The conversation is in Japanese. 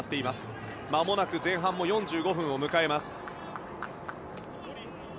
まもなく前半４５分を迎えます。